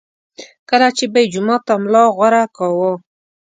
کله چې به یې جومات ته ملا غوره کاوه.